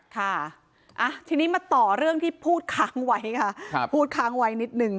ค่ะทีนี้มาต่อเรื่องที่พูดค้างไว้ค่ะพูดค้างไว้นิดนึง